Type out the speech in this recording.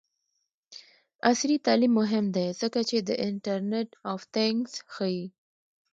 عصري تعلیم مهم دی ځکه چې د انټرنټ آف تینګز ښيي.